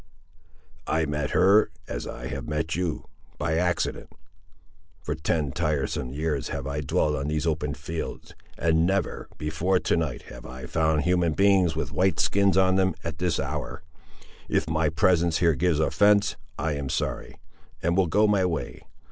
"I met her, as I have met you, by accident. For ten tiresome years have I dwelt on these open fields, and never, before to night, have I found human beings with white skins on them, at this hour. If my presence here gives offence, I am sorry; and will go my way.